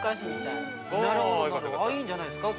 いいんじゃないですか。